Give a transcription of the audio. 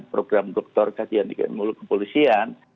program doktor kajian ikemulus kepolisian